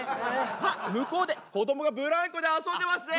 あっ向こうで子どもがブランコで遊んでますね。